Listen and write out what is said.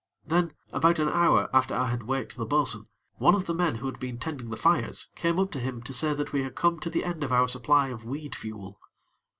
Then, about an hour after I had waked the bo'sun, one of the men who had been tending the fires came up to him to say that we had come to the end of our supply of weed fuel.